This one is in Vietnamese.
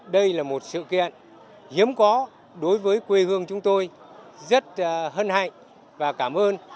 đây là một sự kiện hiếm có đối với quê hương chúng tôi rất hân hạnh và cảm ơn